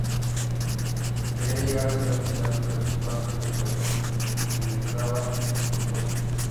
Quería llegar a ser oficial, pero su falta de educación limitaba su propósito.